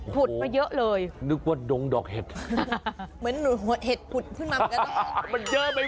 ปุดมาเยอะเลย